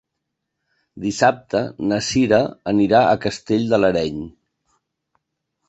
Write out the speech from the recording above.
Dissabte na Cira anirà a Castell de l'Areny.